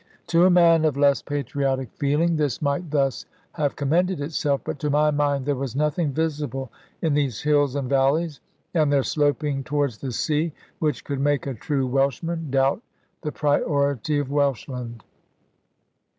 To a man of less patriotic feeling this might thus have commended itself. But to my mind there was nothing visible in these hills and valleys, and their sloping towards the sea, which could make a true Welshman doubt the priority of Welshland.